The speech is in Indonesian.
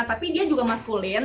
tapi dia juga maskulin